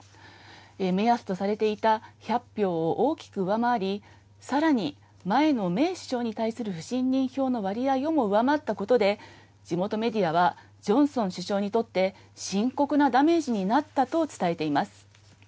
目安とされていた１００票を大きく上回り、さらに前のメイ首相に対する不信任票の割合をも上回ったことで、地元メディアは、ジョンソン首相にとって深刻なダメージになったと伝えています。